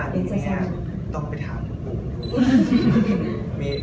ผมว่าต้องไปถามมุมหลาน